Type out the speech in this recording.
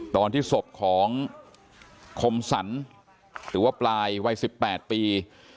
ตอนที่ศพของคมสรรหรือว่าปลายวัย๑๘ปี